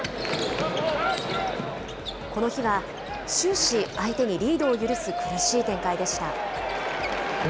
この日は終始、相手にリードを許す苦しい展開でした。